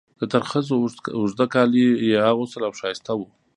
د ترخزو اوږده کالي یې اغوستل او ښایسته وو.